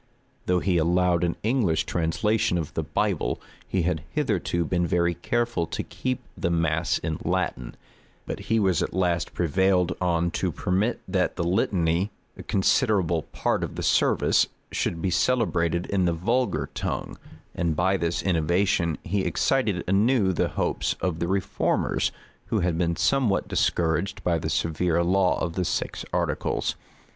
Though he allowed an English translation of the Bible, he had hitherto been very careful to keep the mass in Latin; but he was at last prevailed on to permit that the litany, a considerable part of the service, should be celebrated in the vulgar tongue; and by this innovation he excited anew the hopes of the reformers, who had been somewhat discouraged by the severe law of the six articles.